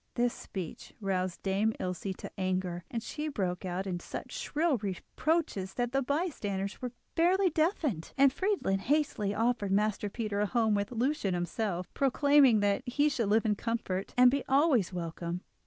This speech roused Dame Ilse to anger, and she broke out into such shrill reproaches that the bystanders were fairly deafened, and Friedlin hastily offered Master Peter a home with Lucia and himself, promising that he should live in comfort, and be always welcome.